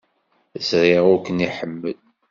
Ẓriɣ ur ken-iḥemmel.